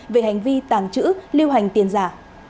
về hành vi tàng trữ lưu hành tiền giả